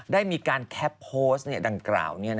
ได้มีการแคปโพสต์ดังกล่าว